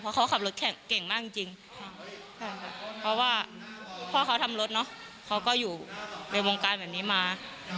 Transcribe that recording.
เพราะเขาขับรถแข่งเก่งมากจริงเพราะว่าพ่อเขาทำรถเนอะเขาก็อยู่ในวงการแบบนี้มา